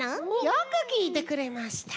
よくきいてくれました。